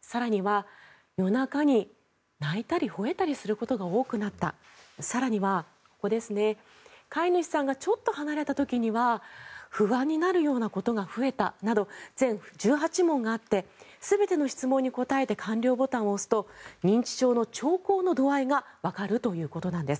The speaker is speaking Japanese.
更には、夜中に鳴いたりほえたりすることが多くなった更には、飼い主さんがちょっと離れた時には不安になるようなことが増えたなど、全１８問があって全ての質問に答えて完了ボタンを押すと認知症の兆候の度合いがわかるということなんです。